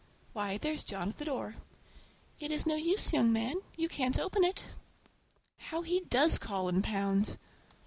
Why, there's John at the door! It is no use, young man, you can't open it! How he does call and pound!